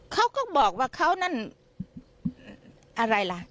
เขาก็บอกว่าเขานั่นอะไรล่ะ